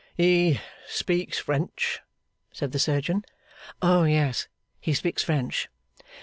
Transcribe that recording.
'He speaks French?' said the surgeon. 'Oh yes, he speaks French.